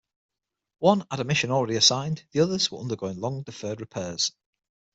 One had a mission already assigned, the others were undergoing long deferred repairs.